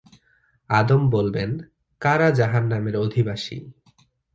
আদম বলবেন, ‘কারা জাহান্নামের অধিবাসী’?